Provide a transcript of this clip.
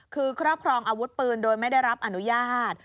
คือครอบครองอาวุธปืนโดยไม่ได้รับอนุญาต